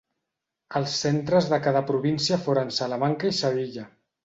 Els centres de cada província foren Salamanca i Sevilla.